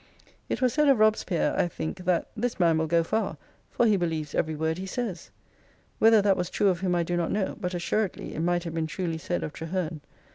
It was said of Robespierre, I think, that " this man will go far, for he believes every word he says !" Whether that was true of him I do not know : but assuredly it might have been truly said of Traheme.